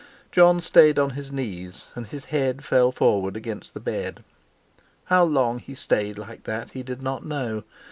Jon stayed on his knees, and his head fell forward against the bed. How long he stayed like that he did not know.